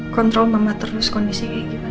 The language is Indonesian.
kontrol mama terus kondisi kayak gimana